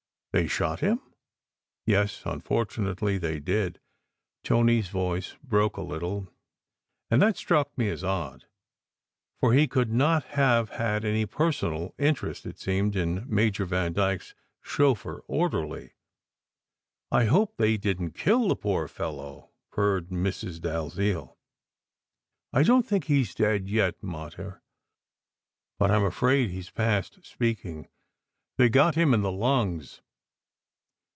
"They shot him?" "Yes, unfortunately they did." Tony s voice broke a little, and that struck me as odd; for he could not have had any personal interest, it seemed, in Major Vandyke s chauffeur orderly. "I hope they didn t kill the poor fellow?" purred Mrs. Dalziel. "I don t think he s dead yet, mater, but I m afraid he s past speaking. They got him in the lungs."